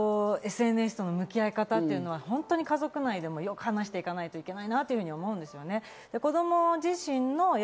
これからＳＮＳとの向き合い方というのは本当に家族内でも話していただけいけないなと思うんですよね。